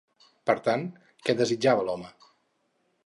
Per tant, què desitjava l'home?